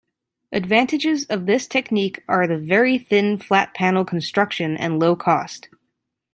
Advantages of this technique are the very thin flat-panel construction and low cost.